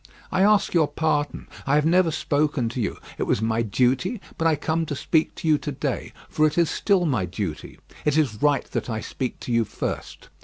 I ask your pardon. I have never spoken to you; it was my duty; but I come to speak to you to day, for it is still my duty. It is right that I speak to you first.